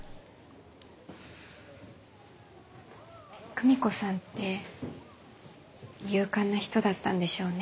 久美子さんって勇敢な人だったんでしょうね。